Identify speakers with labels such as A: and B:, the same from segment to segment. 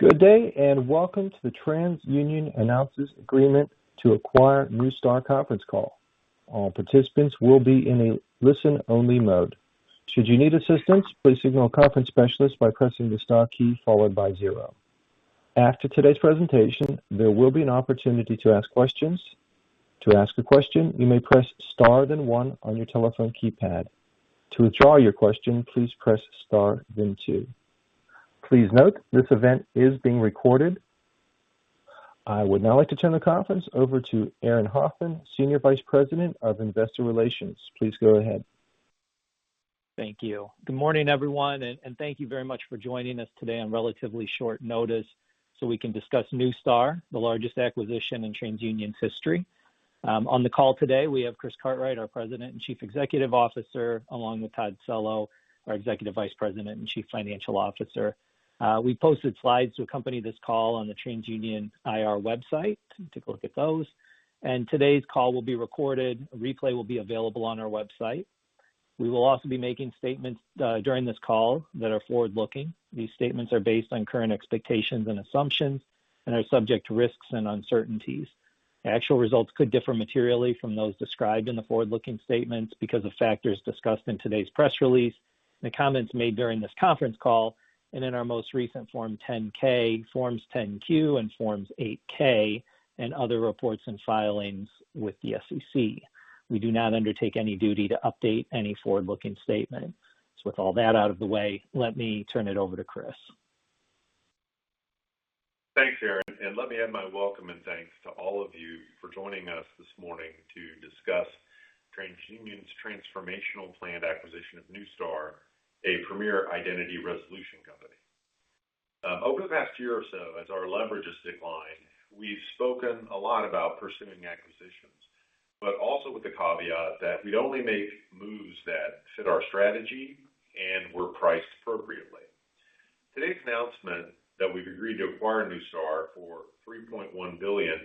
A: Good day, and welcome to the TransUnion Announces Agreement to Acquire Neustar conference call. All participants will be in a listen-only mode. Should you need assistance, please signal a conference specialist by pressing the star key followed by zero. After today's presentation, there will be an opportunity to ask questions. To ask a question, you may press star then one on your telephone keypad. To withdraw your question, please press star then two. Please note, this event is being recorded. I would now like to turn the conference over to Aaron Hoffman, Senior Vice President of Investor Relations. Please go ahead.
B: Thank you. Good morning, everyone, thank you very much for joining us today on relatively short notice so we can discuss Neustar, the largest acquisition in TransUnion's history. On the call today, we have Chris Cartwright, our President and Chief Executive Officer, along with Todd Cello, our Executive Vice President and Chief Financial Officer. We posted slides to accompany this call on the TransUnion IR website. You can take a look at those. Today's call will be recorded. A replay will be available on our website. We will also be making statements during this call that are forward-looking. These statements are based on current expectations and assumptions and are subject to risks and uncertainties. Actual results could differ materially from those described in the forward-looking statements because of factors discussed in today's press release, the comments made during this conference call, and in our most recent Form 10-K, Forms 10-Q, and Forms 8-K, and other reports and filings with the SEC. We do not undertake any duty to update any forward-looking statement. With all that out of the way, let me turn it over to Chris.
C: Thanks, Aaron, let me add my welcome and thanks to all of you for joining us this morning to discuss TransUnion's transformational planned acquisition of Neustar, a premier identity resolution company. Over the past year or so, as our leverage declines, we've spoken a lot about pursuing acquisitions, also with the caveat that we'd only make moves that fit our strategy and were priced appropriately. Today's announcement that we've agreed to acquire Neustar for $3.1 billion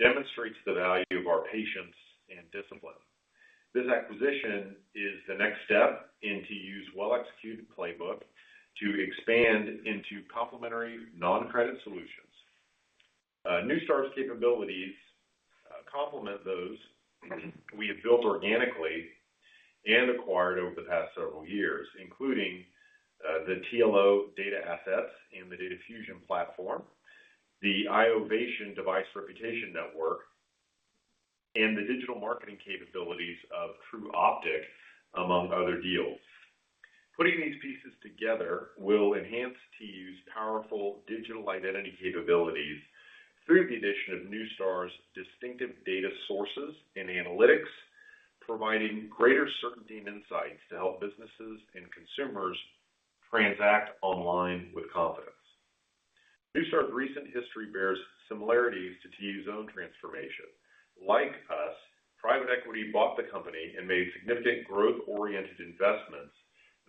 C: demonstrates the value of our patience and discipline. This acquisition is the next step in TU's well-executed playbook to expand into complementary non-credit solutions. Neustar's capabilities complement those we have built organically and acquired over the past several years, including the TLO data assets and the DataFusion platform, the iovation device reputation network, and the digital marketing capabilities of Tru Optik, among other deals. Putting these pieces together will enhance TU's powerful digital identity capabilities through the addition of Neustar's distinctive data sources and analytics, providing greater certainty and insights to help businesses and consumers transact online with confidence. Neustar's recent history bears similarities to TU's own transformation. Like us, private equity bought the company and made significant growth-oriented investments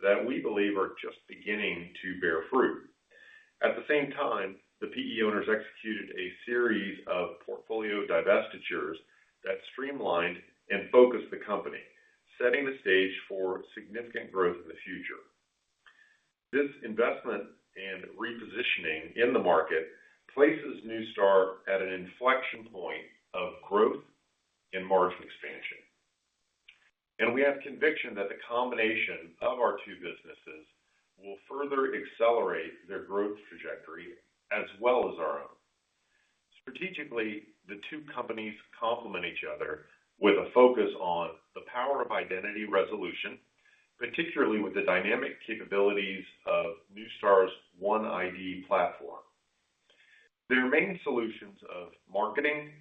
C: that we believe are just beginning to bear fruit. At the same time, the PE owners executed a series of portfolio divestitures that streamlined and focused the company, setting the stage for significant growth in the future. This investment and repositioning in the market places Neustar at an inflection point of growth and margin expansion. We have conviction that the combination of our two businesses will further accelerate their growth trajectory as well as our own. Strategically, the two companies complement each other with a focus on the power of identity resolution, particularly with the dynamic capabilities of Neustar's OneID platform. Their main solutions of marketing,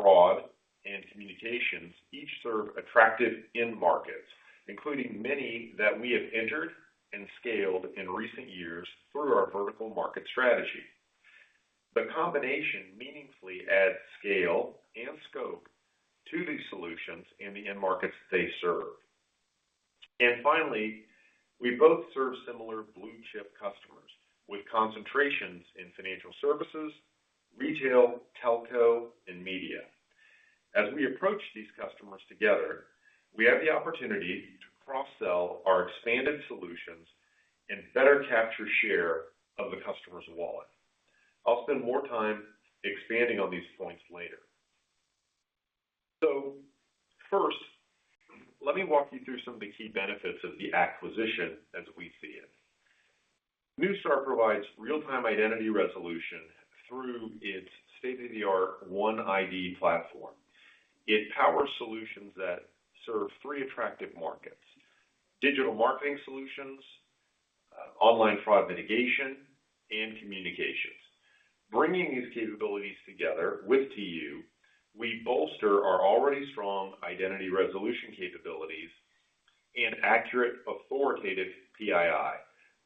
C: fraud, and communications each serve attractive end markets, including many that we have entered and scaled in recent years through our vertical market strategy. The combination meaningfully adds scale and scope to these solutions in the end markets they serve. Finally, we both serve similar blue-chip customers with concentrations in financial services, retail, telco, and media. As we approach these customers together, we have the opportunity to cross-sell our expanded solutions and better capture share of the customer's wallet. I'll spend more time expanding on these points later. First, let me walk you through some of the key benefits of the acquisition as we see it. Neustar provides real-time identity resolution through its state-of-the-art OneID platform. It powers solutions that serve three attractive markets, digital marketing solutions, online fraud mitigation, and communications. Bringing these capabilities together with TU, we bolster our already strong identity resolution capabilities and accurate authoritative PII,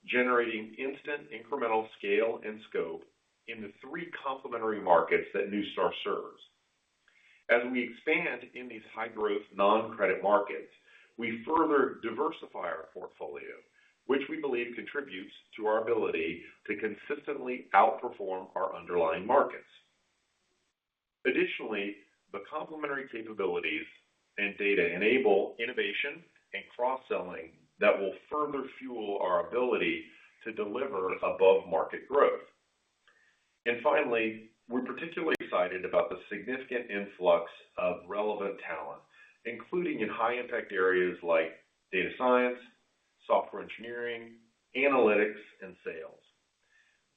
C: generating instant incremental scale and scope in the three complementary markets that Neustar serves. As we expand in these high-growth non-credit markets, we further diversify our portfolio, which we believe contributes to our ability to consistently outperform our underlying markets. Additionally, the complementary capabilities and data enable innovation and cross-selling that will further fuel our ability to deliver above-market growth. Finally, we're particularly excited about the significant influx of relevant talent, including in high-impact areas like data science, software engineering, analytics, and sales.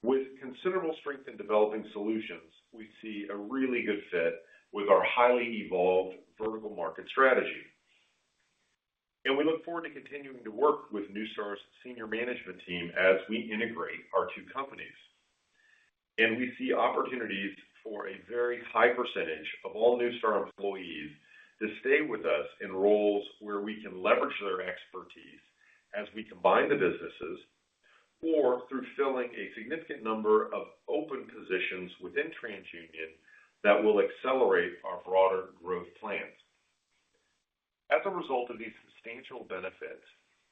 C: With considerable strength in developing solutions, we see a really good fit with our highly evolved vertical market strategy. We look forward to continuing to work with Neustar's senior management team as we integrate our two companies. We see opportunities for a very high percentage of all Neustar employees to stay with us in roles where we can leverage their expertise as we combine the businesses, or through filling a significant number of open positions within TransUnion that will accelerate our broader growth plans. As a result of these substantial benefits,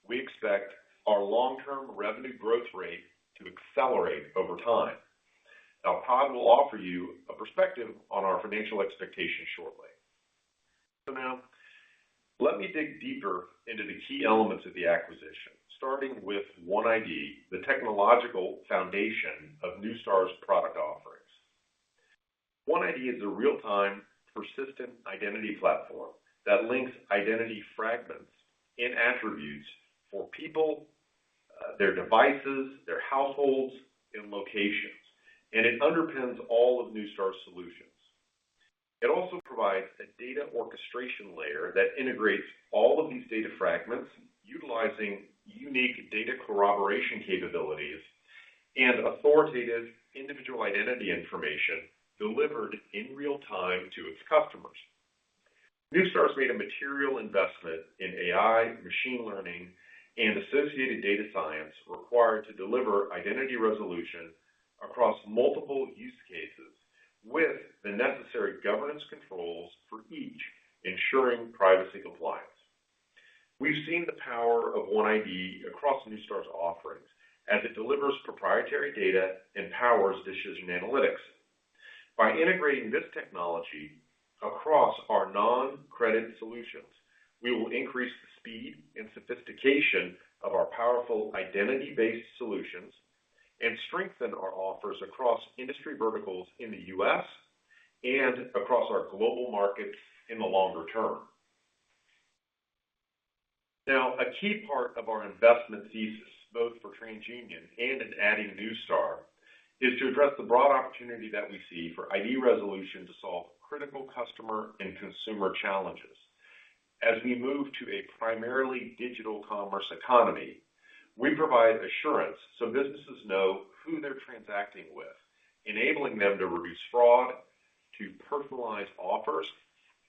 C: we expect our long-term revenue growth rate to accelerate over time. Now, Todd will offer you a perspective on our financial expectations shortly. Now, let me dig deeper into the key elements of the acquisition, starting with OneID, the technological foundation of Neustar's product offerings. OneID is a real-time persistent identity platform that links identity fragments and attributes for people, their devices, their households, and locations, and it underpins all of Neustar's solutions. It also provides a data orchestration layer that integrates all of these data fragments utilizing unique data corroboration capabilities and authoritative individual identity information delivered in real time to its customers. Neustar's made a material investment in AI, machine learning, and associated data science required to deliver identity resolution across multiple use cases with the necessary governance controls for each ensuring privacy compliance. We've seen the power of OneID across Neustar's offerings as it delivers proprietary data and powers decision analytics. By integrating this technology across our non-credit solutions, we will increase the speed and sophistication of our powerful identity-based solutions and strengthen our offers across industry verticals in the U.S. and across our global markets in the longer term. A key part of our investment thesis, both for TransUnion and in adding Neustar, is to address the broad opportunity that we see for ID resolution to solve critical customer and consumer challenges. We move to a primarily digital commerce economy, we provide assurance so businesses know who they're transacting with, enabling them to reduce fraud, to personalize offers,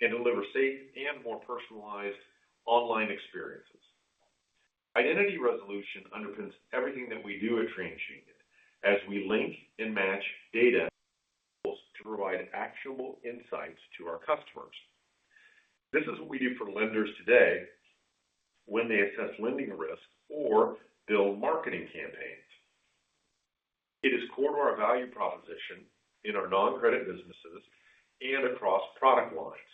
C: and deliver safe and more personalized online experiences. Identity resolution underpins everything that we do at TransUnion as we link and match data to provide actual insights to our customers. This is what we do for lenders today when they assess lending risk or build marketing campaigns. It is core to our value proposition in our non-credit businesses and across product lines.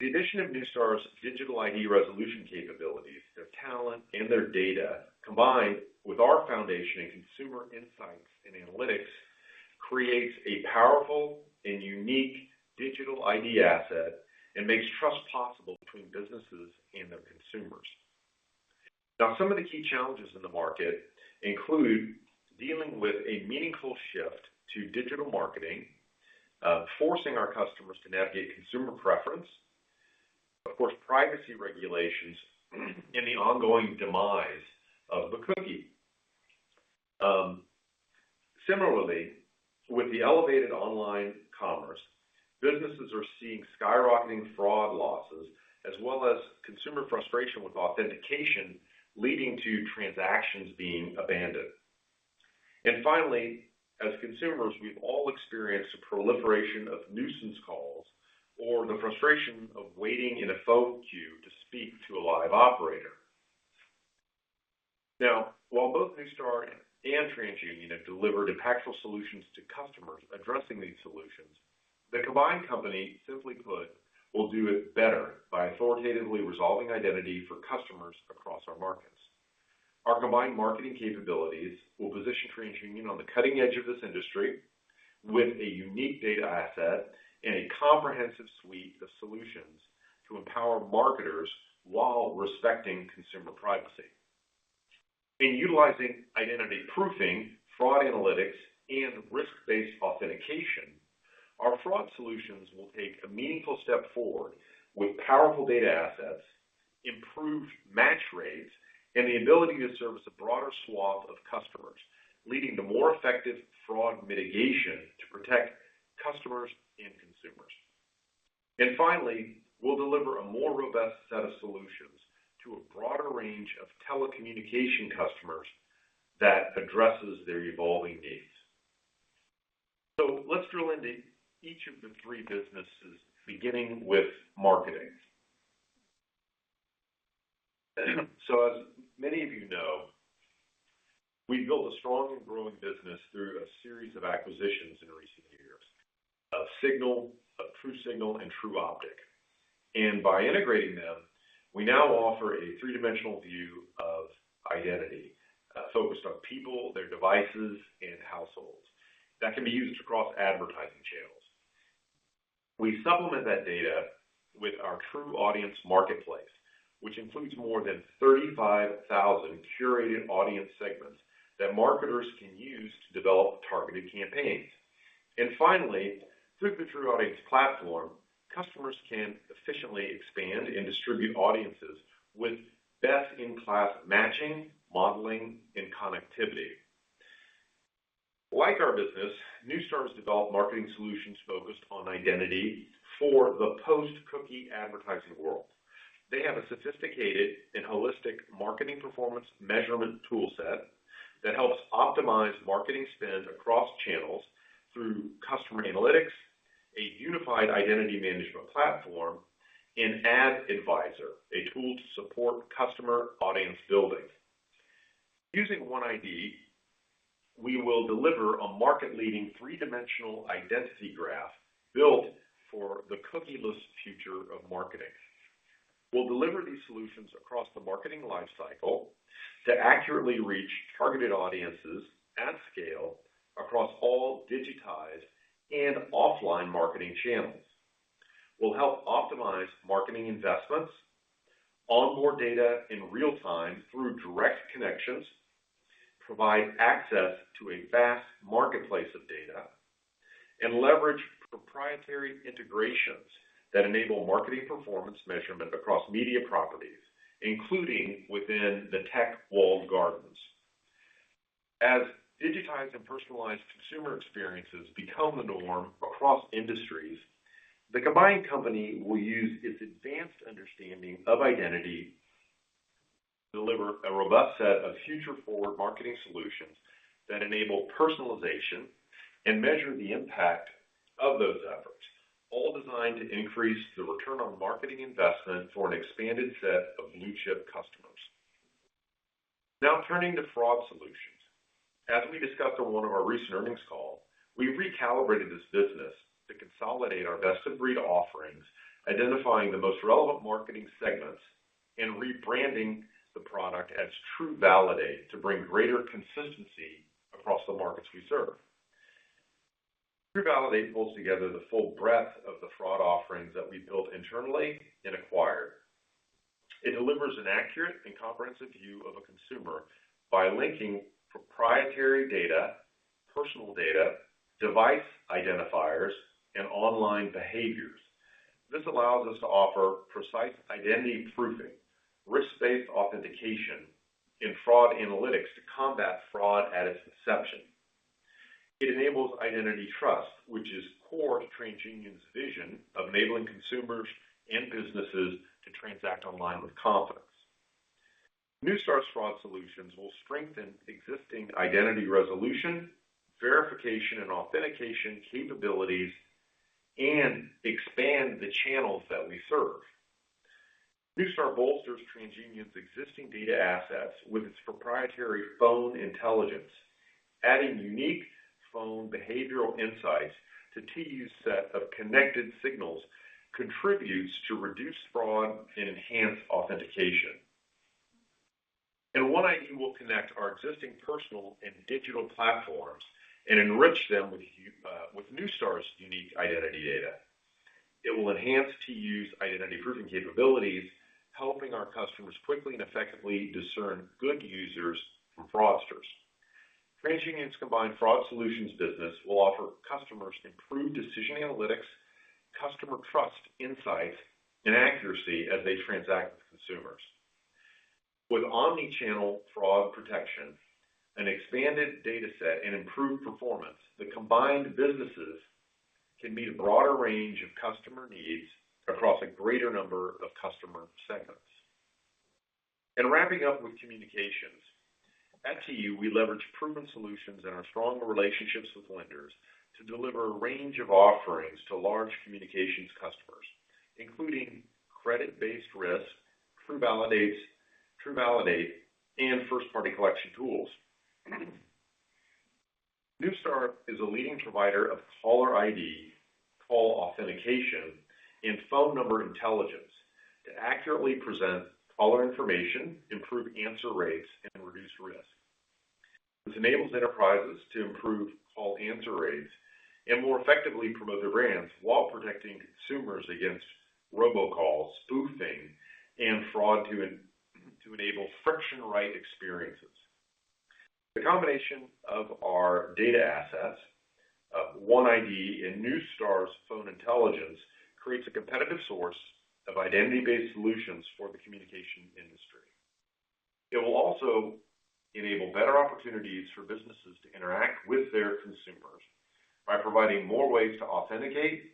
C: The addition of Neustar's digital ID resolution capabilities, their talent, and their data, combined with our foundation in consumer insights and analytics, creates a powerful and unique digital ID asset and makes trust possible between businesses and their consumers. Some of the key challenges in the market include dealing with a meaningful shift to digital marketing, forcing our customers to navigate consumer preference, of course, privacy regulations, and the ongoing demise of the cookie. Similarly, with the elevated online commerce, businesses are seeing skyrocketing fraud losses, as well as consumer frustration with authentication leading to transactions being abandoned. Finally, as consumers, we've all experienced the proliferation of nuisance calls or the frustration of waiting in a phone queue to speak to a live operator. Now, while both Neustar and TransUnion have delivered impactful solutions to customers addressing these solutions, the combined company, simply put, will do it better by authoritatively resolving identity for customers across our markets. Our combined marketing capabilities will position TransUnion on the cutting edge of this industry with a unique data asset and a comprehensive suite of solutions to empower marketers while respecting consumer privacy. In utilizing identity proofing, fraud analytics, and risk-based authentication, our fraud solutions will take a meaningful step forward with powerful data assets, improved match rates, and the ability to service a broader swath of customers, leading to more effective fraud mitigation to protect customers and consumers. Finally, we'll deliver a more robust set of solutions to a broader range of telecommunication customers that addresses their evolving needs. Let's drill into each of the three businesses, beginning with marketing. As many of you know, we've built a strong and growing business through a series of acquisitions in recent years of TruSignal and Tru Optik. By integrating them, we now offer a three-dimensional view of identity, focused on people, their devices, and households that can be used across advertising channels. We supplement that data with our TruAudience marketplace, which includes more than 35,000 curated audience segments that marketers can use to develop targeted campaigns. Finally, through the TruAudience Platform, customers can efficiently expand and distribute audiences with best-in-class matching, modeling, and connectivity. Like our business, Neustar has developed marketing solutions focused on identity for the post-cookie advertising world. They have a sophisticated and holistic marketing performance measurement toolset that helps optimize marketing spend across channels through customer analytics, a unified identity management platform, and AdAdvisor, a tool to support customer audience building. Using OneID, we will deliver a market-leading three-dimensional identity graph built for the cookieless future of marketing. We'll deliver these solutions across the marketing life cycle to accurately reach targeted audiences at scale across all digitized and offline marketing channels. We'll help optimize marketing investments, onboard data in real time through direct connections, provide access to a vast marketplace of data, and leverage proprietary integrations that enable marketing performance measurement across media properties, including within the tech walled gardens. As digitized and personalized consumer experiences become the norm across industries, the combined company will use its advanced understanding of identity to deliver a robust set of future-forward marketing solutions that enable personalization and measure the impact of those efforts, all designed to increase the return on marketing investment for an expanded set of blue-chip customers. Now turning to fraud solutions. As we discussed on one of our recent earnings calls, we recalibrated this business to consolidate our best-of-breed offerings, identifying the most relevant marketing segments, and rebranding the product as TruValidate to bring greater consistency across the markets we serve. TruValidate pulls together the full breadth of the fraud offerings that we've built internally and acquired. It delivers an accurate and comprehensive view of a consumer by linking proprietary data, personal data, device identifiers, and online behaviors. This allows us to offer precise identity proofing, risk-based authentication, and fraud analytics to combat fraud at its inception. It enables identity trust, which is core to TransUnion's vision of enabling consumers and businesses to transact online with confidence. Neustar's fraud solutions will strengthen existing identity resolution, verification, and authentication capabilities and expand the channels that we serve. Neustar bolsters TransUnion's existing data assets with its proprietary phone intelligence. Adding unique phone behavioral insights to TU's set of connected signals contributes to reduce fraud and enhance authentication. OneID will connect our existing personal and digital platforms and enrich them with Neustar's unique identity data. It will enhance TU's identity proofing capabilities, helping our customers quickly and effectively discern good users from fraudsters. TransUnion's combined fraud solutions business will offer customers improved decision analytics, customer trust insights, and accuracy as they transact with consumers. With omni-channel fraud protection, an expanded data set, and improved performance, the combined businesses can meet a broader range of customer needs across a greater number of customer segments. Wrapping up with communications. At TU, we leverage proven solutions and our stronger relationships with lenders to deliver a range of offerings to large communications customers, including credit-based risk, TruValidate, and first-party collection tools. Neustar is a leading provider of caller ID, call authentication, and phone number intelligence to accurately present caller information, improve answer rates, and reduce risk. This enables enterprises to improve call answer rates and more effectively promote their brands while protecting consumers against robocalls, spoofing, and fraud to enable friction-right experiences. The combination of our data assets, OneID, and Neustar's phone intelligence creates a competitive source of identity-based solutions for the communication industry. It will also enable better opportunities for businesses to interact with their consumers by providing more ways to authenticate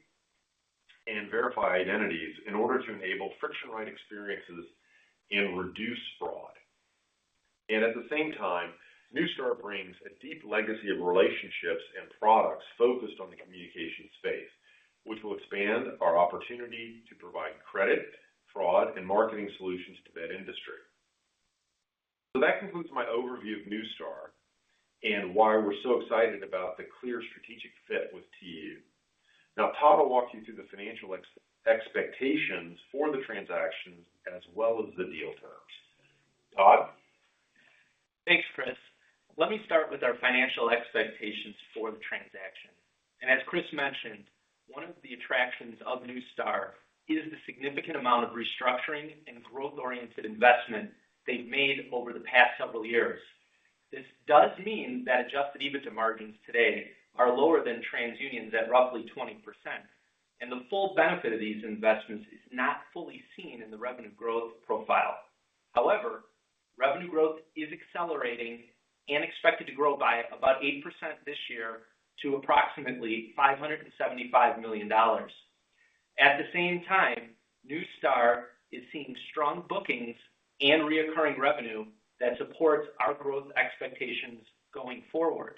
C: and verify identities in order to enable friction-right experiences and reduce fraud. At the same time, Neustar brings a deep legacy of relationships and products focused on the communication space, which will expand our opportunity to provide credit, fraud, and marketing solutions to that industry. That concludes my overview of Neustar and why we're so excited about the clear strategic fit with TU. Now Todd will walk you through the financial expectations for the transaction as well as the deal terms. Todd?
D: Thanks, Chris. Let me start with our financial expectations for the transaction. As Chris mentioned, one of the attractions of Neustar is the significant amount of restructuring and growth-oriented investment they've made over the past several years. This does mean that adjusted EBITDA margins today are lower than TransUnion's at roughly 20%, and the full benefit of these investments is not fully seen in the revenue growth profile. However, revenue growth is accelerating and expected to grow by about 8% this year to approximately $575 million. At the same time, Neustar is seeing strong bookings and reoccurring revenue that supports our growth expectations going forward.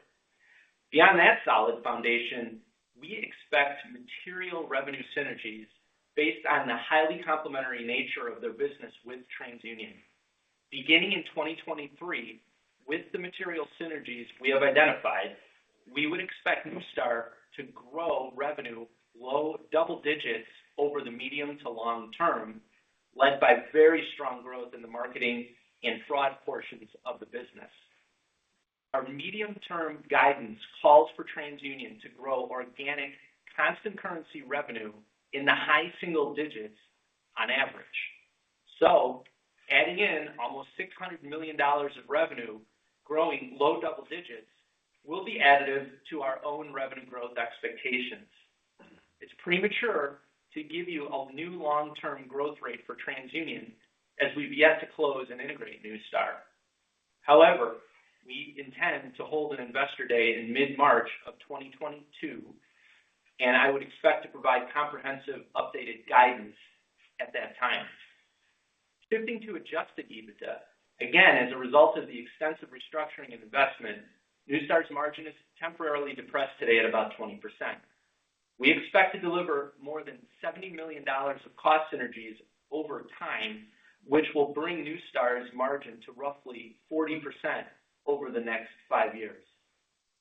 D: Beyond that solid foundation, we expect material revenue synergies based on the highly complementary nature of their business with TransUnion. Beginning in 2023, with the material synergies we have identified, we would expect Neustar to grow revenue low double digits over the medium to long term, led by very strong growth in the marketing and fraud portions of the business. Our medium-term guidance calls for TransUnion to grow organic constant currency revenue in the high single digits on average. Adding in almost $600 million of revenue growing low double digits will be additive to our own revenue growth expectations. It's premature to give you a new long-term growth rate for TransUnion as we've yet to close and integrate Neustar. We intend to hold an investor day in mid-March of 2022, and I would expect to provide comprehensive updated guidance at that time. Shifting to adjusted EBITDA, again, as a result of the extensive restructuring and investment, Neustar's margin is temporarily depressed today at about 20%. We expect to deliver more than $70 million of cost synergies over time, which will bring Neustar's margin to roughly 40% over the next five years.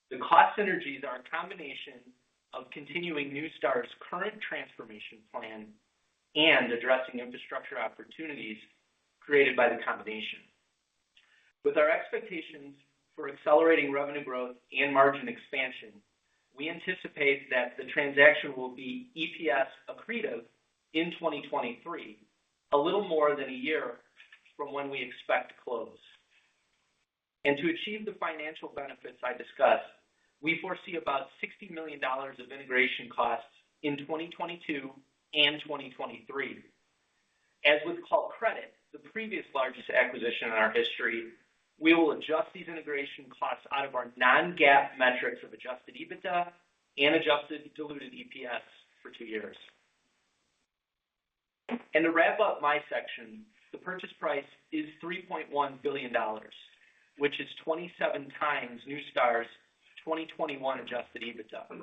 D: The cost synergies are a combination of continuing Neustar's current transformation plan and addressing infrastructure opportunities created by the combination. With our expectations for accelerating revenue growth and margin expansion, we anticipate that the transaction will be EPS accretive in 2023, a little more than a year from when we expect to close. To achieve the financial benefits I discussed, we foresee about $60 million of integration costs in 2022 and 2023. As with Callcredit, the previous largest acquisition in our history, we will adjust these integration costs out of our non-GAAP metrics of adjusted EBITDA and adjusted diluted EPS for two years. To wrap up my section, the purchase price is $3.1 billion, which is 27x Neustar's 2021 adjusted EBITDA.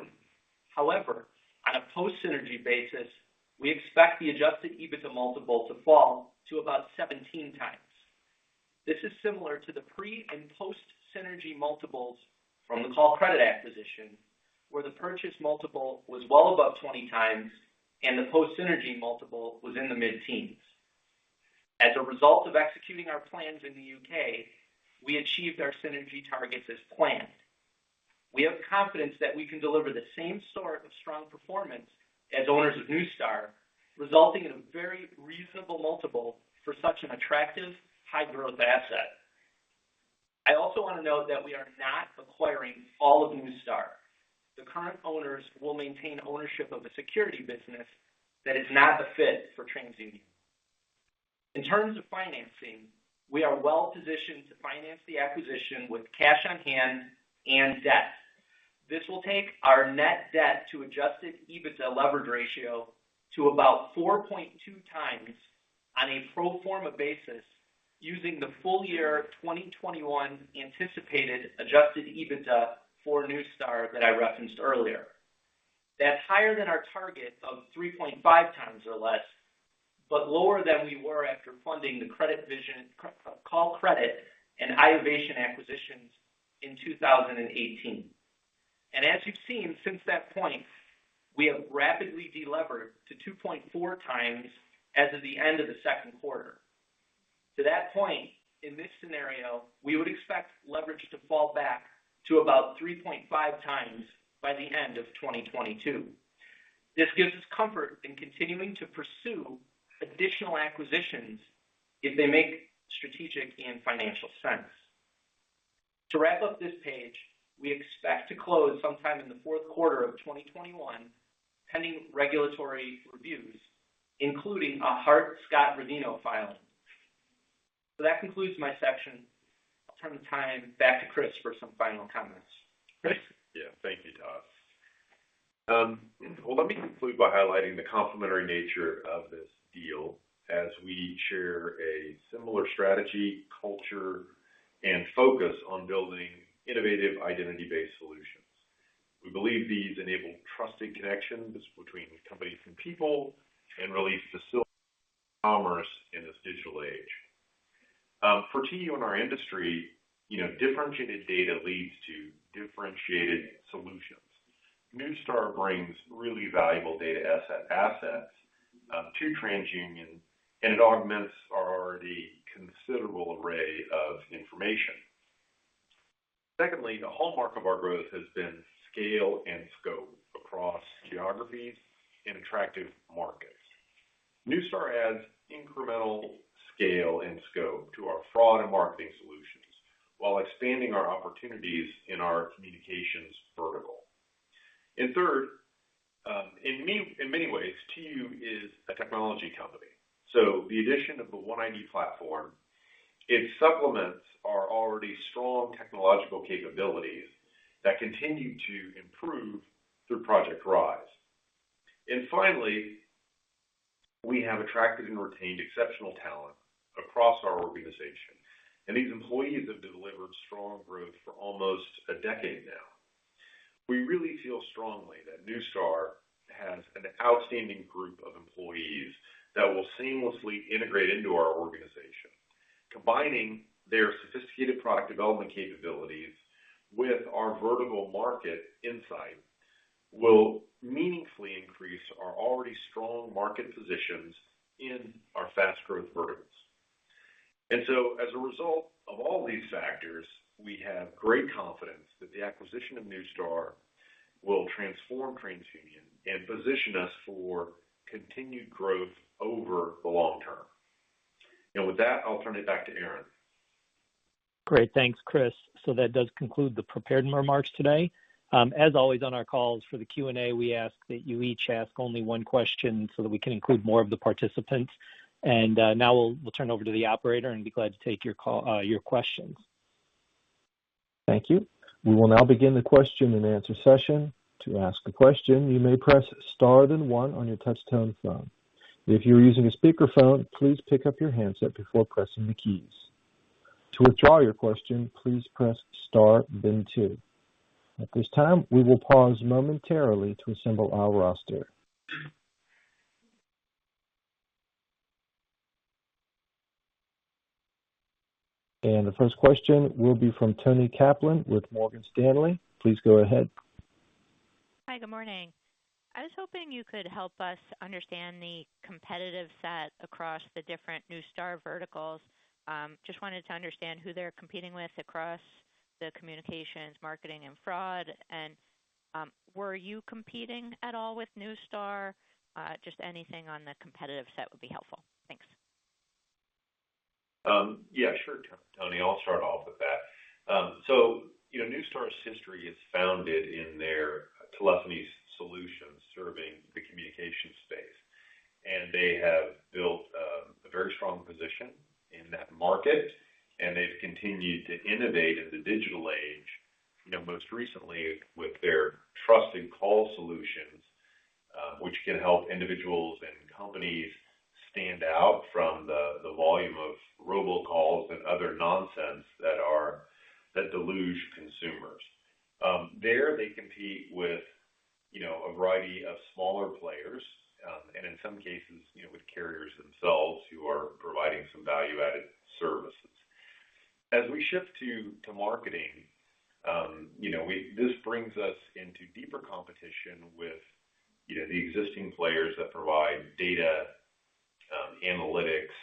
D: However, on a post-synergy basis, we expect the adjusted EBITDA multiple to fall to about 17x. This is similar to the pre- and post-synergy multiples from the Callcredit acquisition, where the purchase multiple was well above 20x and the post-synergy multiple was in the mid-teens. As a result of executing our plans in the U.K., we achieved our synergy targets as planned. We have confidence that we can deliver the same sort of strong performance as owners of Neustar, resulting in a very reasonable multiple for such an attractive high-growth asset. I also want to note that we are not acquiring all of Neustar. The current owners will maintain ownership of the security business that is not a fit for TransUnion. In terms of financing, we are well positioned to finance the acquisition with cash on hand and debt. This will take our net debt to adjusted EBITDA levered ratio to about 4.2x on a pro forma basis using the full year 2021 anticipated adjusted EBITDA for Neustar that I referenced earlier. That's higher than our target of 3.5x or less, lower than we were after funding the CreditVision, Callcredit and iovation acquisitions in 2018. As you've seen since that point, we have rapidly de-levered to 2.4x as of the end of the second quarter. To that point, in this scenario, we would expect leverage to fall back to about 3.5x by the end of 2022. This gives us comfort in continuing to pursue additional acquisitions if they make strategic and financial sense. To wrap up this page, we expect to close sometime in the fourth quarter of 2021, pending regulatory reviews, including a Hart-Scott-Rodino filing. That concludes my section. I'll turn the time back to Chris for some final comments. Chris?
C: Thank you, Todd. Well, let me conclude by highlighting the complementary nature of this deal as we share a similar strategy, culture, and focus on building innovative identity-based solutions. We believe these enable trusted connections between companies and people and really facilitate commerce in this digital age. For TU and our industry, differentiated data leads to differentiated solutions. Neustar brings really valuable data assets to TransUnion, it augments our already considerable array of information. Secondly, the hallmark of our growth has been scale and scope across geographies in attractive markets. Neustar adds incremental scale and scope to our fraud and marketing solutions while expanding our opportunities in our communications vertical. Third, in many ways, TU is a technology company. The addition of the OneID platform, it supplements our already strong technological capabilities that continue to improve through Project Rise. Finally, we have attracted and retained exceptional talent across our organization, and these employees have delivered strong growth for almost a decade now. We really feel strongly that Neustar has an outstanding group of employees that will seamlessly integrate into our organization. Combining their sophisticated product development capabilities with our vertical market insight will meaningfully increase our already strong market positions in our fast growth verticals. As a result of all these factors, we have great confidence that the acquisition of Neustar will transform TransUnion and position us for continued growth over the long term. With that, I'll turn it back to Aaron.
B: Great. Thanks, Chris. That does conclude the prepared remarks today. As always, on our calls for the Q&A, we ask that you each ask only one question so that we can include more of the participants. Now we'll turn over to the operator and be glad to take your questions.
A: Thank you. We will now begin the Q&A session. To ask a question, you may press star then one on your touch-tone phone. If you are using a speakerphone, please pick up your handset before pressing the keys. To withdraw your question, please press star then two. At this time, we will pause momentarily to assemble our roster. The first question will be from Toni Kaplan with Morgan Stanley. Please go ahead.
E: Hi. Good morning. I was hoping you could help us understand the competitive set across the different Neustar verticals. Just wanted to understand who they're competing with across the communications, marketing, and fraud. Were you competing at all with Neustar? Just anything on the competitive set would be helpful. Thanks.
C: Yeah, sure, Toni. I'll start off with that. Neustar's history is founded in their telephony solutions serving the communication space, and they have built a very strong position in that market, and they've continued to innovate in the digital age, most recently with their TruContact Trusted Call Solutions, which can help individuals and companies stand out from the volume of robocalls and other nonsense that deluge consumers. There they compete with a variety of smaller players, and in some cases with carriers themselves who are providing some value-added services. As we shift to marketing, this brings us into deeper competition with the existing players that provide data analytics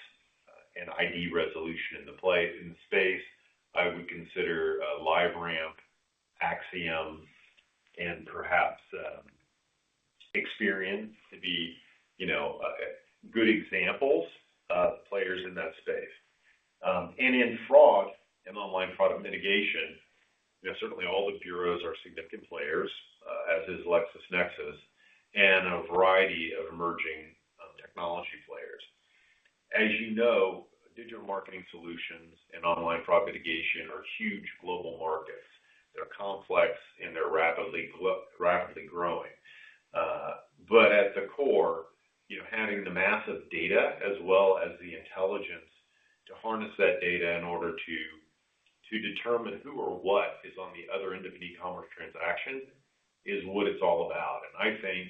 C: and ID resolution in the space. I would consider LiveRamp, Acxiom, and perhaps Experian to be good examples of players in that space. In fraud and online fraud mitigation, certainly all the bureaus are significant players, as is LexisNexis and a variety of emerging technology players. As you know, digital marketing solutions and online fraud mitigation are huge global markets. They're complex, and they're rapidly growing. At the core, having the massive data as well as the intelligence to harness that data in order to determine who or what is on the other end of an e-commerce transaction is what it's all about. I think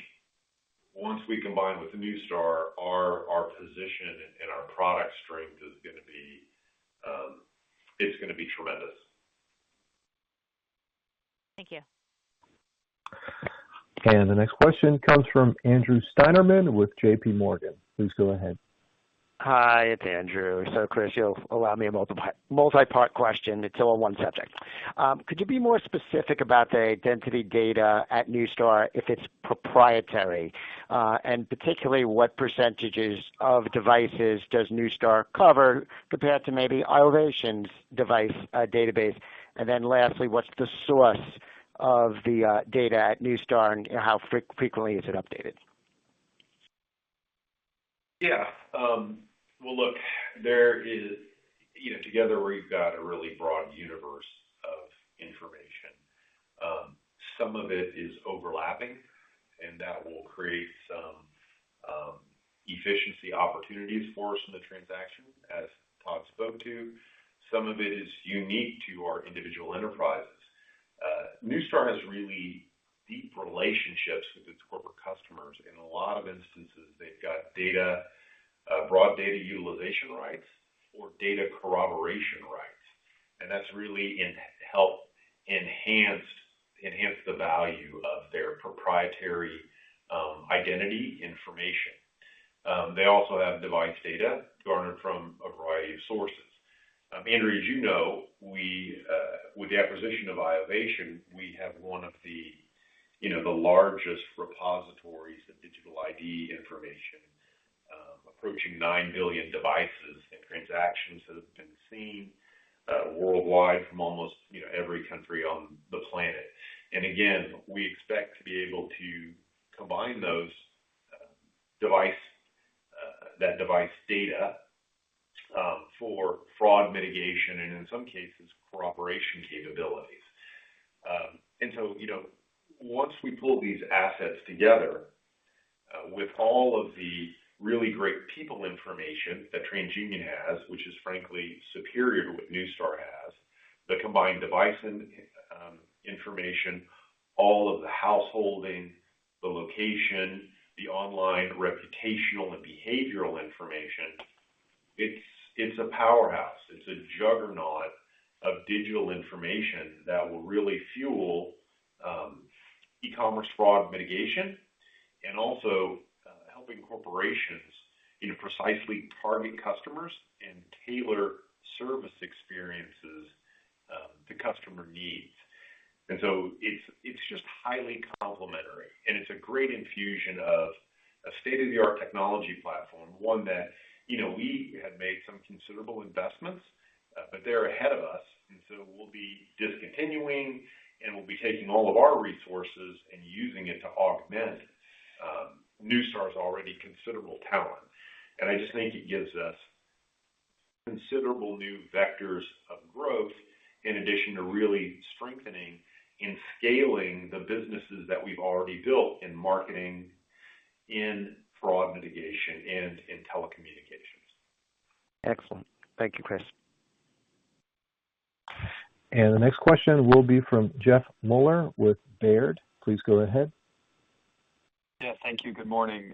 C: once we combine with Neustar, our position and our product strength is going to be tremendous.
E: Thank you.
A: The next question comes from Andrew Steinerman with JPMorgan. Please go ahead.
F: Hi, it's Andrew. Chris, you'll allow me a multi-part question. It's all on one subject. Could you be more specific about the identity data at Neustar, if it's proprietary? Particularly, what percentages of devices does Neustar cover compared to maybe iovation's device database? Lastly, what's the source of the data at Neustar, and how frequently is it updated?
C: Yeah. Well, look, together we've got a really broad universe of information. Some of it is overlapping, and that will create some efficiency opportunities for us in the transaction, as Todd spoke to. Some of it is unique to our individual enterprises. Neustar has really deep relationships with its corporate customers. In a lot of instances, they've got broad data utilization rights or data corroboration rights, and that's really helped enhance the value of their proprietary identity information. They also have device data garnered from a variety of sources. Andrew, as you know, with the acquisition of iovation, we have one of the largest repositories of digital ID information, approaching 9 billion devices and transactions that have been seen worldwide from almost every country on the planet. Again, we expect to be able to combine that device data for fraud mitigation and in some cases, corroboration capabilities. Once we pull these assets together with all of the really great people information that TransUnion has, which is frankly superior to what Neustar has, the combined device information, all of the householding, the location, the online reputational and behavioral information, it's a powerhouse. It's a juggernaut of digital information that will really fuel e-commerce fraud mitigation, and also helping corporations precisely target customers and tailor service experiences the customer needs. It's just highly complimentary, and it's a great infusion of a state-of-the-art technology platform, one that we had made some considerable investments, but they're ahead of us. We'll be discontinuing, and we'll be taking all of our resources and using it to augment Neustar's already considerable talent. I just think it gives us considerable new vectors of growth in addition to really strengthening and scaling the businesses that we've already built in marketing, in fraud mitigation, and in telecommunications.
F: Excellent. Thank you, Chris.
A: The next question will be from Jeff Meuler with Baird. Please go ahead.
G: Yeah. Thank you. Good morning.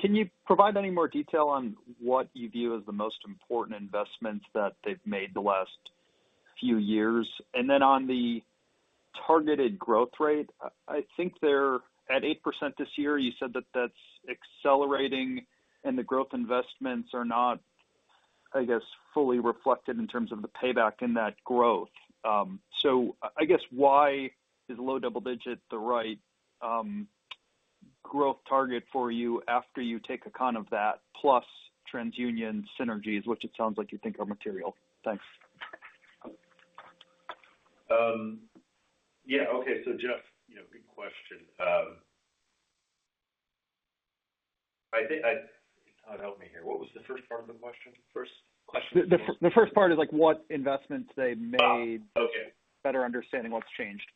G: Can you provide any more detail on what you view as the most important investments that they've made the last few years? On the targeted growth rate, I think they're at 8% this year. You said that that's accelerating and the growth investments are not, I guess, fully reflected in terms of the payback in that growth. I guess why is low double digit the right growth target for you after you take account of that, plus TransUnion synergies, which it sounds like you think are material? Thanks.
C: Yeah. Okay. Jeff, good question. Todd, help me here. What was the first part of the question? First question.
G: The first part is what investments they made.
C: Okay.
G: Better understanding what's changed.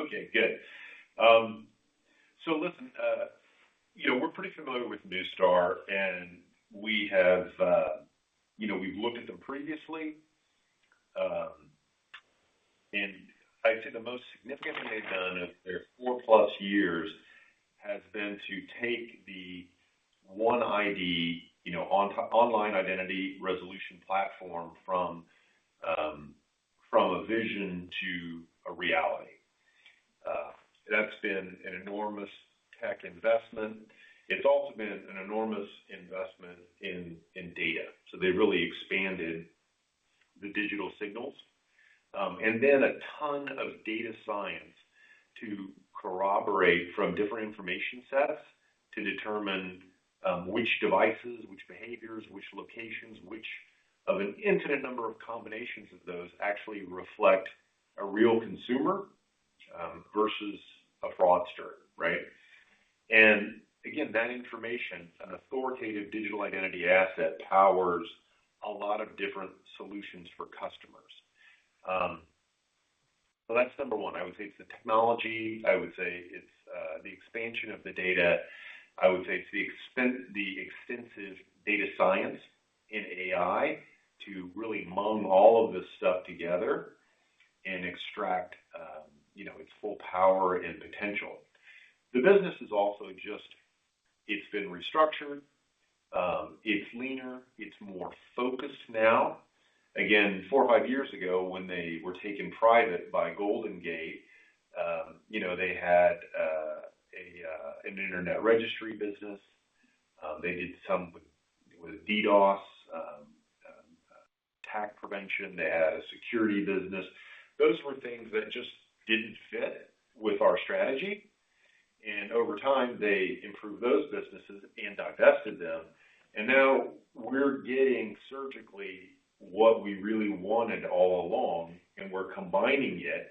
C: Okay, good. Listen. We're pretty familiar with Neustar, and we've looked at them previously. I'd say the most significant thing they've done in their four-plus years has been to take the OneID online identity resolution platform from a vision to a reality. That's been an enormous tech investment. It's also been an enormous investment in data. They really expanded the digital signals. A ton of data science to corroborate from different information sets to determine which devices, which behaviors, which locations, which of an infinite number of combinations of those actually reflect a real consumer versus a fraudster, right? That information, an authoritative digital identity asset, powers a lot of different solutions for customers. That's number one. I would say it's the technology. I would say it's the expansion of the data. I would say it's the extensive data science in AI to really mung all of this stuff together and extract its full power and potential. The business is also just it's been restructured. It's leaner. It's more focused now. Again, four or five years ago, when they were taken private by Golden Gate, they had an internet registry business. They did some with DDoS, attack prevention. They had a security business. Those were things that just didn't fit with our strategy. Over time, they improved those businesses and divested them. Now we're getting surgically what we really wanted all along, and we're combining it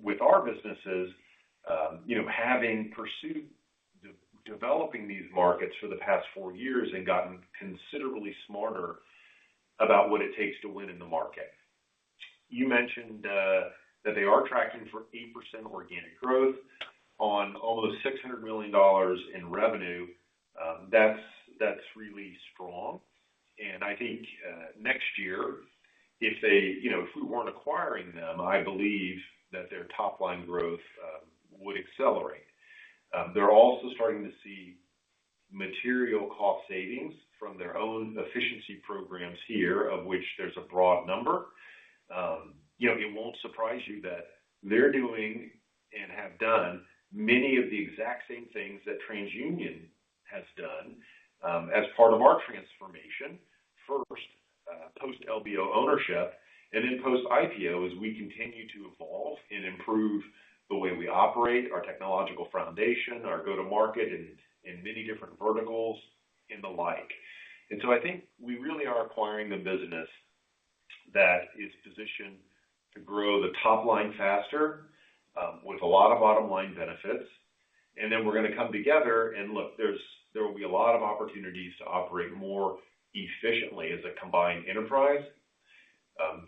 C: with our businesses. Having pursued developing these markets for the past four years and gotten considerably smarter about what it takes to win in the market. You mentioned that they are tracking for 8% organic growth on almost $600 million in revenue. That's really strong, and I think next year, if we weren't acquiring them, I believe that their top-line growth would accelerate. They're also starting to see material cost savings from their own efficiency programs here, of which there's a broad number. It won't surprise you that they're doing, and have done, many of the exact same things that TransUnion has done as part of our transformation. First, post-LBO ownership, and then post-IPO, as we continue to evolve and improve the way we operate, our technological foundation, our go-to market in many different verticals and the like. I think we really are acquiring a business that is positioned to grow the top line faster with a lot of bottom-line benefits. We're going to come together and look, there will be a lot of opportunities to operate more efficiently as a combined enterprise.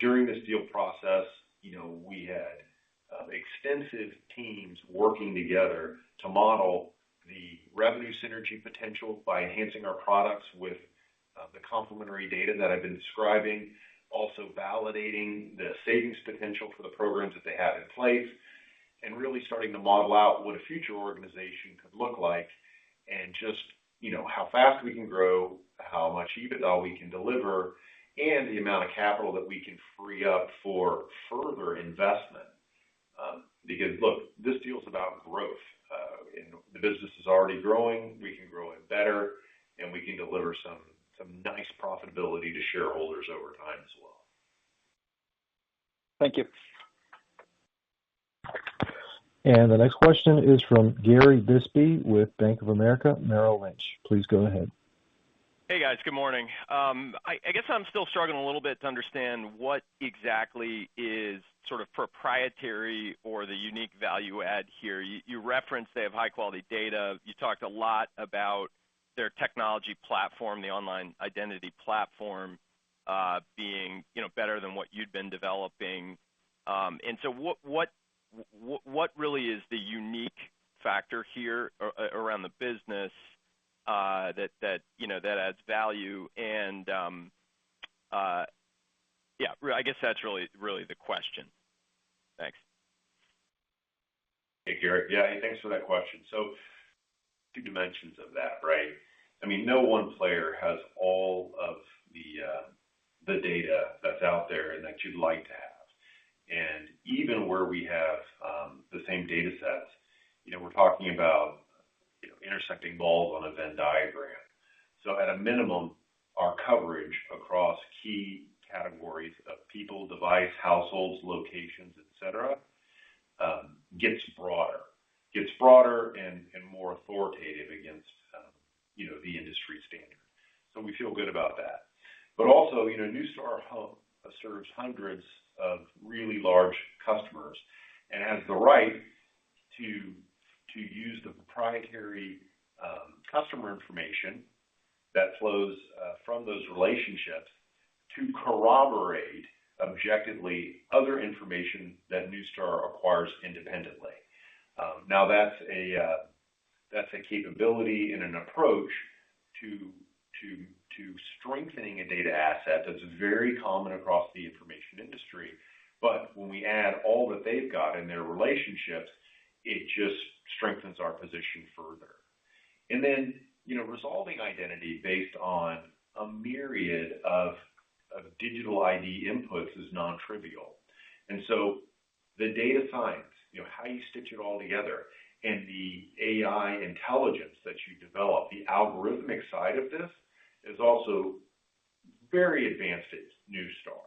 C: During this deal process, we had extensive teams working together to model the revenue synergy potential by enhancing our products with the complementary data that I've been describing. Validating the savings potential for the programs that they have in place and really starting to model out what a future organization could look like and just how fast we can grow, how much EBITDA we can deliver, and the amount of capital that we can free up for further investment. Look, this deal is about growth. The business is already growing. We can grow it better, and we can deliver some nice profitability to shareholders over time as well.
G: Thank you.
A: The next question is from Gary Bisbee with Bank of America Merrill Lynch. Please go ahead.
H: Hey, guys. Good morning. I guess I'm still struggling a little bit to understand what exactly is sort of proprietary or the unique value add here. You reference they have high-quality data. You talked a lot about their technology platform, the online identity platform being better than what you'd been developing. What really is the unique factor here around the business that adds value? I guess that's really the question. Thanks.
C: Hey, Gary. Thanks for that question. Two dimensions of that. No one player has all of the data that's out there and that you'd like to have. Even where we have the same data sets, we're talking about intersecting balls on a Venn diagram. At a minimum, our coverage across key categories of people, device, households, locations, et cetera, gets broader and more authoritative against the industry standard. We feel good about that. Also, Neustar serves hundreds of really large customers and has the right to use the proprietary customer information that flows from those relationships to corroborate objectively other information that Neustar acquires independently. That's a capability and an approach to strengthening a data asset that's very common across the information industry. When we add all that they've got in their relationships, it just strengthens our position further. Resolving identity based on a myriad of digital ID inputs is non-trivial. The data science, how you stitch it all together, and the AI intelligence that you develop, the algorithmic side of this is also very advanced at Neustar.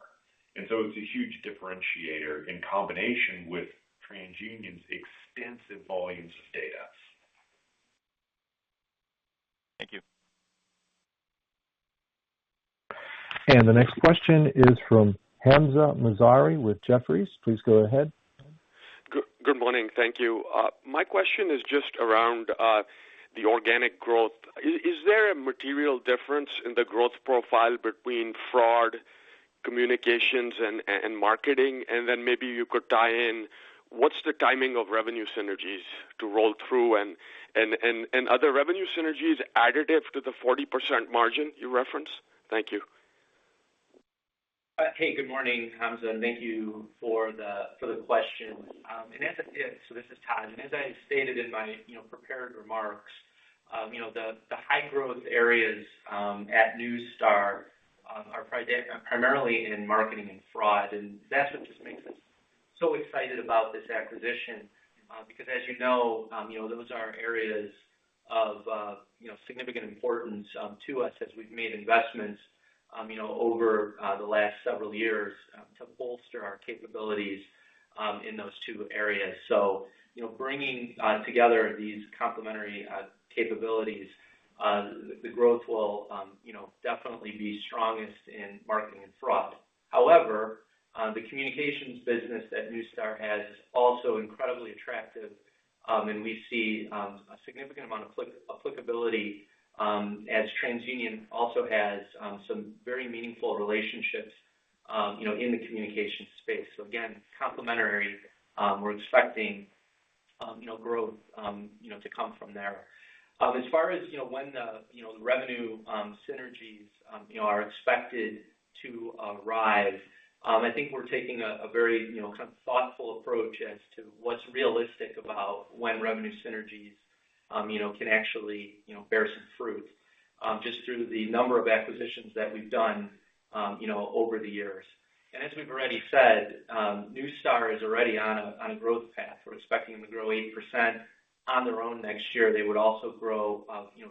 C: It's a huge differentiator in combination with TransUnion's extensive volumes of data.
H: Thank you.
A: The next question is from Hamzah Mazari with Jefferies. Please go ahead.
I: Good morning. Thank you. My question is just around the organic growth. Is there a material difference in the growth profile between fraud communications and marketing? Maybe you could tie in what's the timing of revenue synergies to roll through and other revenue synergies additive to the 40% margin you referenced? Thank you.
D: Hey, good morning, Hamzah, thank you for the question. This is Todd, as I stated in my prepared remarks the high growth areas at Neustar are primarily in marketing and fraud, that's what just makes us so excited about this acquisition. As you know those are areas of significant importance to us as we've made investments over the last several years to bolster our capabilities in those two areas. Bringing together these complementary capabilities. The growth will definitely be strongest in marketing and fraud. However, the communications business that Neustar has is also incredibly attractive, we see a significant amount of applicability as TransUnion also has some very meaningful relationships in the communications space. Again, complementary. We're expecting growth to come from there. As far as when the revenue synergies are expected to arrive, I think we're taking a very thoughtful approach as to what's realistic about when revenue synergies can actually bear some fruit just through the number of acquisitions that we've done over the years. As we've already said, Neustar is already on a growth path. We're expecting them to grow 8% on their own next year. They would also grow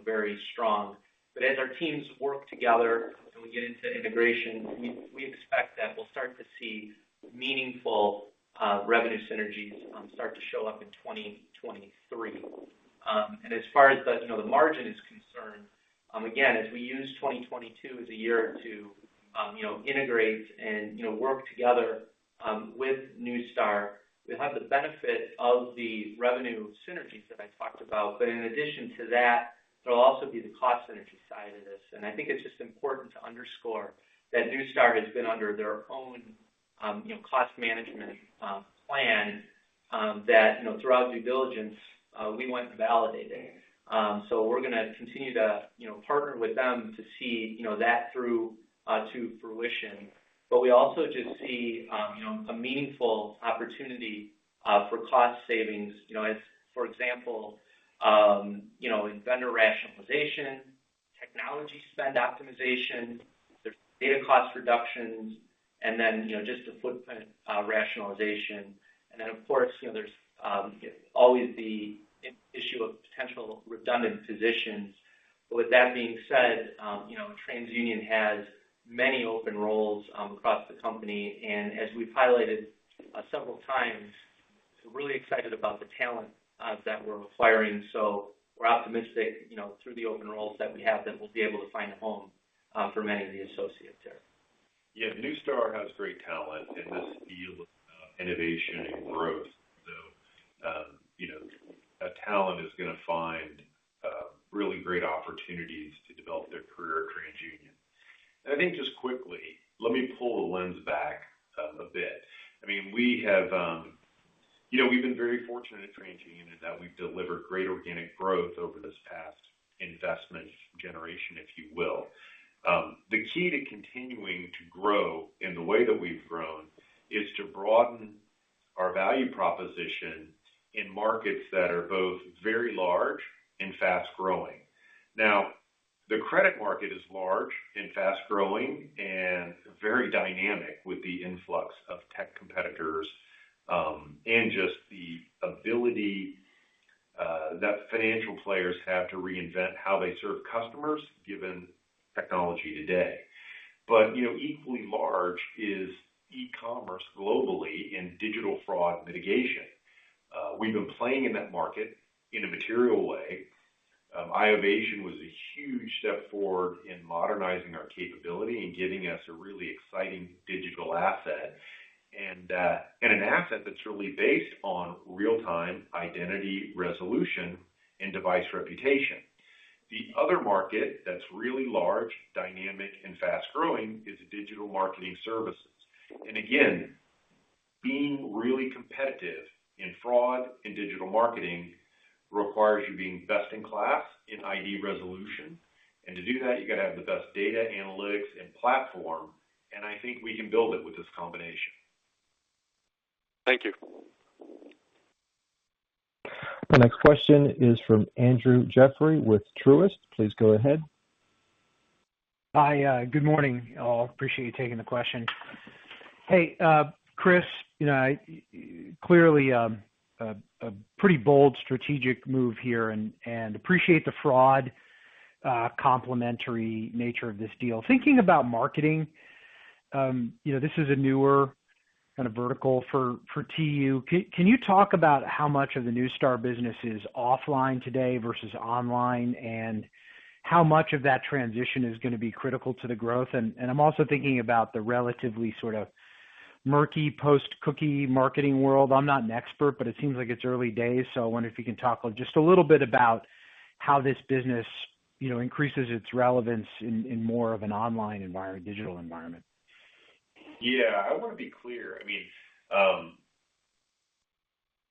D: very strong. As our teams work together and we get into integration, we expect that we'll start to see meaningful revenue synergies start to show up in 2023. As far as the margin is concerned, again, as we use 2022 as a year to integrate and work together with Neustar, we'll have the benefit of the revenue synergies that I talked about. In addition to that, there'll also be the cost synergy side of this. I think it's just important to underscore that Neustar has been under their own cost management plan that throughout due diligence we went and validated. We're going to continue to partner with them to see that through to fruition. We also just see a meaningful opportunity for cost savings. For example, in vendor rationalization, technology spend optimization, there's data cost reductions, and then just the footprint rationalization. Then, of course, there's always the issue of potential redundant positions. With that being said, TransUnion has many open roles across the company, and as we've highlighted several times, we're really excited about the talent that we're acquiring. We're optimistic through the open roles that we have that we'll be able to find a home for many of the associates there.
C: Yeah, Neustar has great talent in this field of innovation and growth. That talent is going to find really great opportunities to develop their career at TransUnion. I think just quickly, let me pull the lens back a bit. We've been very fortunate at TransUnion that we've delivered great organic growth over this past investment generation, if you will. The key to continuing to grow in the way that we've grown is to broaden our value proposition in markets that are both very large and fast-growing. Now, the credit market is large and fast-growing and very dynamic with the influx of tech competitors and just the ability that financial players have to reinvent how they serve customers given technology today. Equally large is e-commerce globally and digital fraud mitigation. We've been playing in that market in a material way. Iovation was a huge step forward in modernizing our capability and giving us a really exciting digital asset, and an asset that's really based on real-time identity resolution and device reputation. The other market that's really large, dynamic, and fast-growing is digital marketing services. Again, being really competitive in fraud and digital marketing requires you being best in class in identity resolution. To do that, you got to have the best data analytics and platform, and I think we can build it with this combination.
I: Thank you.
A: The next question is from Andrew Jeffrey with Truist. Please go ahead.
J: Hi. Good morning. I'll appreciate you taking the question. Hey, Chris, clearly a pretty bold strategic move here and appreciate the fraud complementary nature of this deal. Thinking about marketing, this is a newer kind of vertical for TU. Can you talk about how much of the Neustar business is offline today versus online, and how much of that transition is going to be critical to the growth? I'm also thinking about the relatively sort of murky post-cookie marketing world. I'm not an expert, it seems like it's early days, I wonder if you can talk just a little bit about how this business increases its relevance in more of an online environment, digital environment.
C: Yeah. I want to be clear.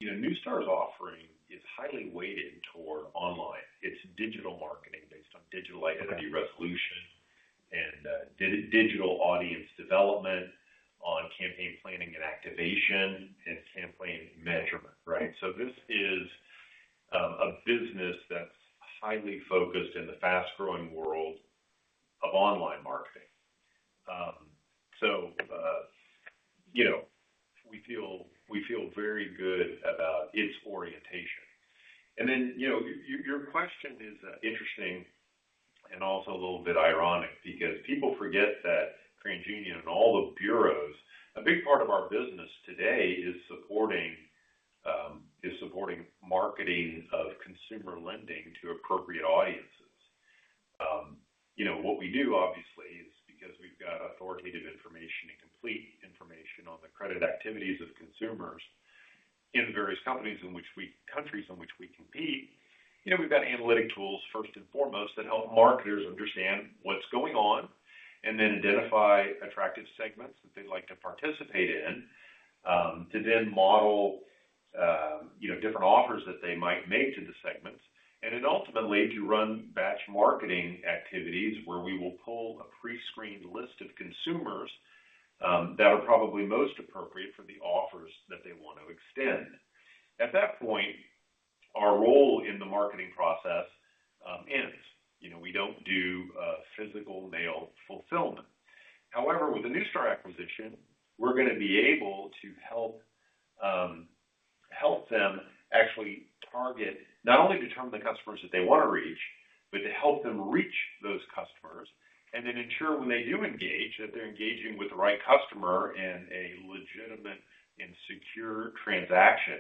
C: Neustar's offering is highly weighted toward online. It's digital marketing based on digital identity resolution and digital audience development on campaign planning and activation and campaign measurement, right. This is a business that's highly focused in the fast-growing world of online marketing. We feel very good about its orientation. Your question is interesting and also a little bit ironic because people forget that TransUnion and all the bureaus, a big part of our business today is supporting marketing of consumer lending to appropriate audiences. What we do, obviously, is because we've got authoritative information and complete information on the credit activities of consumers in various countries in which we compete, we've got analytic tools, first and foremost, that help marketers understand what's going on and then identify attractive segments that they'd like to participate in, to then model different offers that they might make to the segments. Ultimately, to run batch marketing activities where we will pull a pre-screened list of consumers that are probably most appropriate for the offers that they want to extend. At that point, our role in the marketing process ends. We don't do physical mail fulfillment. With the Neustar acquisition, we're going to be able to help them actually target, not only determine the customers that they want to reach, but to help them reach those customers, and then ensure when they do engage, that they're engaging with the right customer in a legitimate and secure transaction.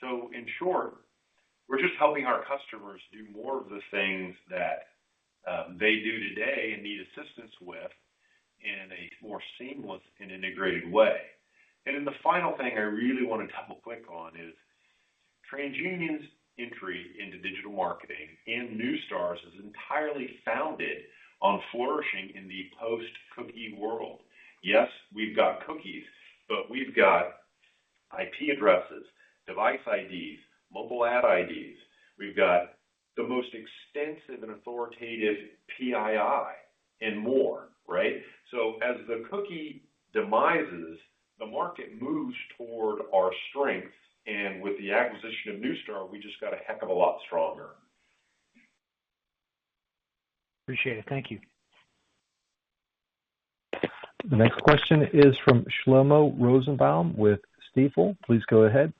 C: In short, we're just helping our customers do more of the things that they do today and need assistance with in a more seamless and integrated way. The final thing I really want to double-click on is TransUnion's entry into digital marketing and Neustar's is entirely founded on flourishing in the post-cookie world. Yes, we've got cookies, but we've got IP addresses, device IDs, mobile ad IDs. We've got the most extensive and authoritative PII and more, right? As the cookie demises, the market moves toward our strength. With the acquisition of Neustar, we just got a heck of a lot stronger.
J: Appreciate it. Thank you.
A: The next question is from Shlomo Rosenbaum with Stifel. Please go ahead.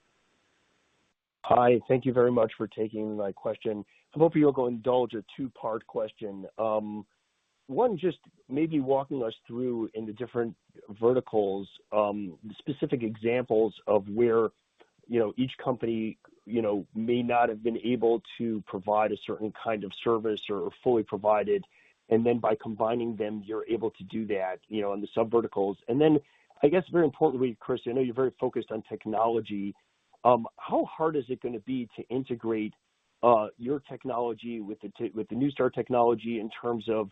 K: Hi, thank you very much for taking my question. I hope you will indulge a two-part question. One, just maybe walking us through in the different verticals, the specific examples of where each company may not have been able to provide a certain kind of service or fully provide it, and then by combining them, you're able to do that in the subverticals. I guess very importantly, Chris, I know you're very focused on technology. How hard is it going to be to integrate your technology with the Neustar technology in terms of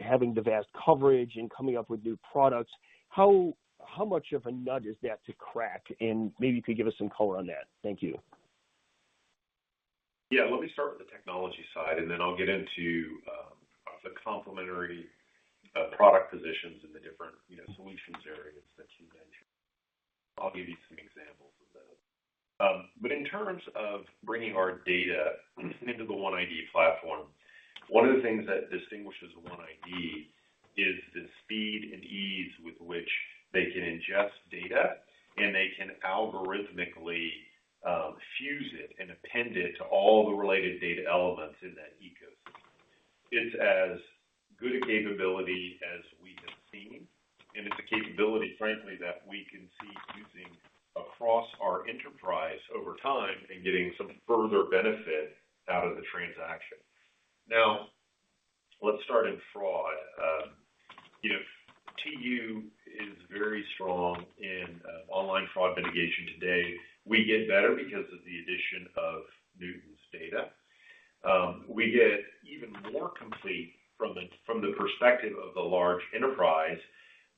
K: having the vast coverage and coming up with new products? How much of a nut is that to crack? Maybe you could give us some color on that. Thank you.
C: Let me start with the technology side, then I'll get into the complementary product positions in the different solutions areas that you mentioned. I'll give you some examples of those. In terms of bringing our data into the OneID platform, one of the things that distinguishes OneID is the speed and ease with which they can ingest data and they can algorithmically fuse it and append it to all the related data elements in that ecosystem. It's as good a capability as we have seen, and it's a capability, frankly, that we can see using across our enterprise over time and getting some further benefit out of the transaction. Let's start in fraud. TU is very strong in online fraud mitigation today. We get better because of the addition of Neustar's data. We get even more complete from the perspective of the large enterprise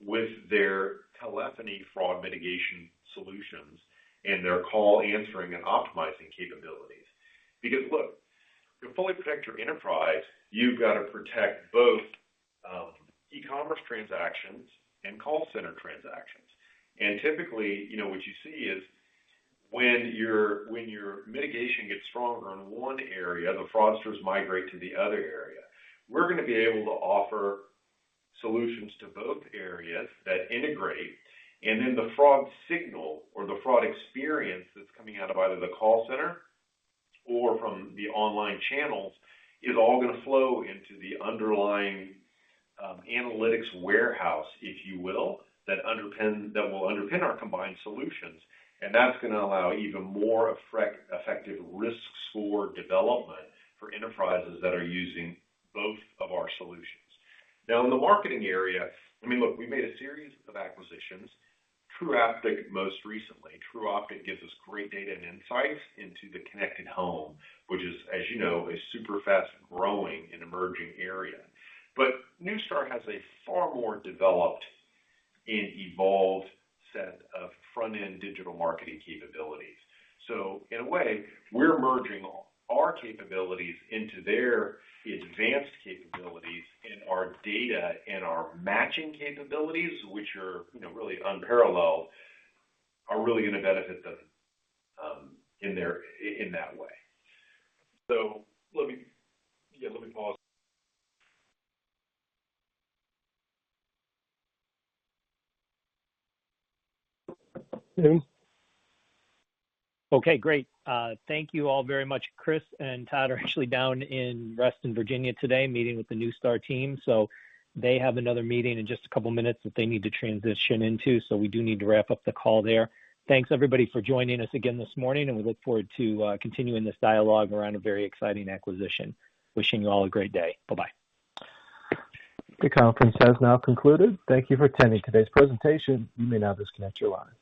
C: with their telephony fraud mitigation solutions and their call answering and optimizing capabilities. Because look, to fully protect your enterprise, you've got to protect both e-commerce transactions and call center transactions. Typically, what you see is when your mitigation gets stronger in one area, the fraudsters migrate to the other area. We're going to be able to offer solutions to both areas that integrate, then the fraud signal or the fraud experience that's coming out of either the call center or from the online channels is all going to flow into the underlying analytics warehouse, if you will, that will underpin our combined solutions. That's going to allow even more effective risk score development for enterprises that are using both of our solutions. In the marketing area, I mean, look, we made a series of acquisitions. Tru Optik most recently. Tru Optik gives us great data and insights into the connected home, which is, as you know, a super fast-growing and emerging area. Neustar has a far more developed and evolved set of front-end digital marketing capabilities. In a way, we're merging our capabilities into their advanced capabilities and our data and our matching capabilities, which are really unparalleled, are really going to benefit them in that way. Let me pause.
B: Okay, great. Thank you all very much. Chris and Todd are actually down in Reston, Virginia today meeting with the Neustar team. They have another meeting in just a couple of minutes that they need to transition into. We do need to wrap up the call there. Thanks everybody for joining us again this morning, and we look forward to continuing this dialogue around a very exciting acquisition. Wishing you all a great day. Bye-bye.
A: The conference has now concluded. Thank you for attending today's presentation. You may now disconnect your lines.